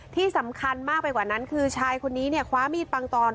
ที่สำคัญมากไปกว่านั้นคือชายคนนี้เนี่ยคว้ามีดปังตอน